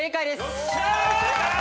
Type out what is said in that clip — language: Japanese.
よっしゃ！